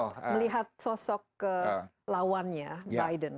melihat sosok lawannya biden